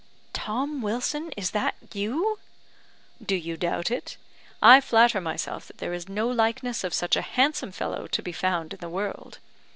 "Tom Wilson, is that you?" "Do you doubt it? I flatter myself that there is no likeness of such a handsome fellow to be found in the world.